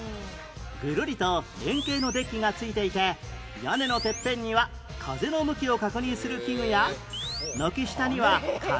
ぐるりと円形のデッキが付いていて屋根のてっぺんには風の向きを確認する器具や軒下には鐘が